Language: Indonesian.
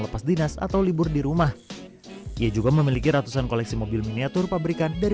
lepas dinas atau libur di rumah ia juga memiliki ratusan koleksi mobil miniatur pabrikan dari